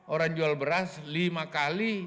orang jual beras lima kali